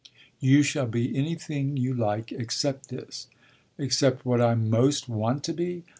"You shall be anything you like except this." "Except what I most want to be?